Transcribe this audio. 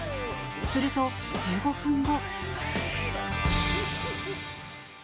すると、１５分後。